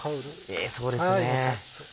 ええそうですね。